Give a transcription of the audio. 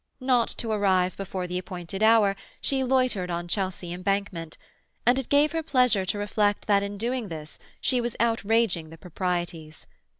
Not to arrive before the appointed hour she loitered on Chelsea Embankment, and it gave her pleasure to reflect that in doing this she was outraging the proprieties.